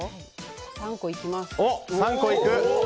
３個いきます。